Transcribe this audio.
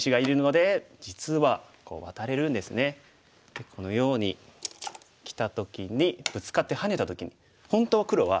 でこのようにきた時にブツカってハネた時に本当は黒は二段バネしたいですよね。